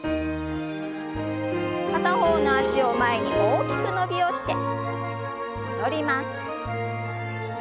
片方の脚を前に大きく伸びをして戻ります。